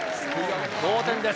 同点です。